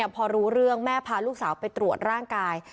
พอรู้เรื่องแม่พาลูกสาวไปตรวจร่างกาย